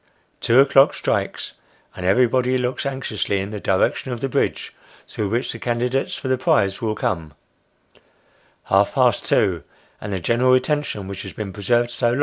Two o'clock strikes, and everybody looks anxiously in the direction of the bridge through which the candidates for the prize will come half past two, and the general attention which has been preserved so 74 Sketches by Boz.